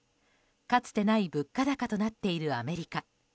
かつてない物価高となっているアメリカ。